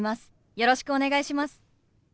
よろしくお願いします。